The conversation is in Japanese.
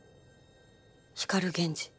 光源氏。